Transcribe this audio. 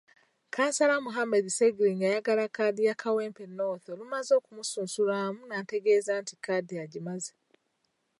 Kkansala Muhammad Sserigginya ayagala Kkaadi ya Kawempe North olumaze okusunsulwamu n'ategeeza nti kkaadi agimaze.